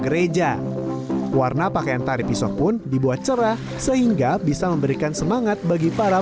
gereja warna pakaian tari pisok pun dibuat cerah sehingga bisa memberikan semangat bagi para